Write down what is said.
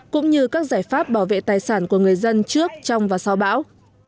cũng như các giải pháp bảo vệ tài sản của người dân trước trong và sau bão